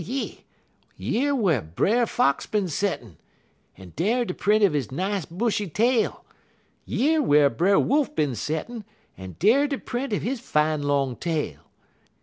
Yer whar Brer Fox bin settin', en dar de print er he nice bushy tail. Yer whar Brer Wolf bin settin', en dar de print er he fine long tail.